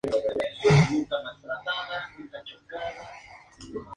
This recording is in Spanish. Buffy lo hace en su lugar ya que ambas llevan la misma sangre.